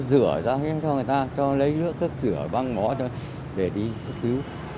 rửa ra cho người ta lấy nước rửa băng ngó để đi xuất tứ